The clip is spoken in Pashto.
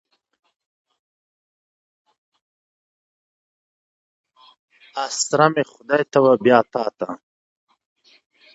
اسره مي خدای ته وه بیا تاته.